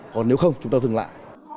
còn nếu không chúng ta dừng lại